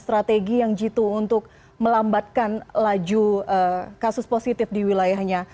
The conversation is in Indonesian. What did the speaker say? bagaimana kemudian mencari strategi yang jitu untuk melambatkan laju kasus positif di wilayahnya